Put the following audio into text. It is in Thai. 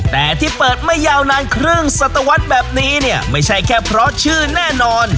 แต่ที่เปิดไม่ยาวนานครึ่งสัตวรรษแบบนี้เนี่ยไม่ใช่แค่เพราะชื่อแน่นอน